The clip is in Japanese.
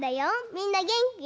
みんなげんき？